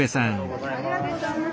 ありがとうございます。